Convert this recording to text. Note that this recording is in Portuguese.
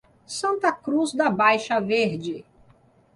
Santa Cruz da Baixa Verde